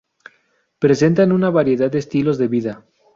Presentan una variedad de estilos de vida.